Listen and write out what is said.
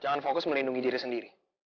jangan fokus melindungi diri sendiri